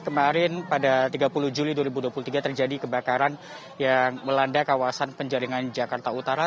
kemarin pada tiga puluh juli dua ribu dua puluh tiga terjadi kebakaran yang melanda kawasan penjaringan jakarta utara